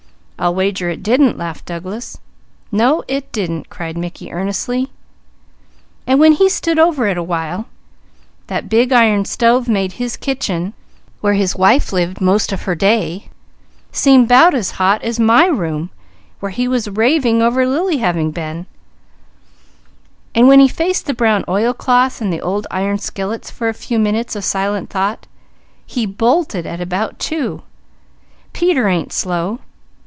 "I'll wager it didn't," laughed Douglas. "No it didn't!" cried Mickey earnestly. "And when he stood over it awhile, that big iron stove made his kitchen, where his wife lived most of her day, seem 'bout as hot as my room where he was raving over Lily having been; and when he faced the brown oilcloth and the old iron skillets for a few minutes of silent thought, he bolted at about two. Peter ain't so slow!"